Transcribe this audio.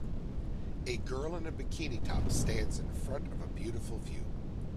A girl in a bikini top stands in front of a beautiful view